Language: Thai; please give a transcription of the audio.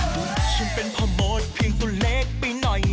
มือรั่นอีกแล้วปู่